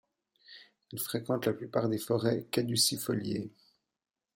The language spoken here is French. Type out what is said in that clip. Il fréquente la plupart des forêts caducifoliées.